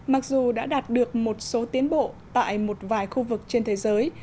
mặc dù đã đạt được một số tiến bộ tại một vài khu vực trên thế giới